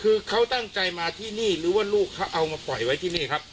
คือเขาตั้งใจมาที่นี่หรือว่าลูกเขาเอามาปล่อยไว้ที่นี่ครับ